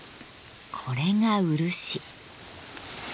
これが漆。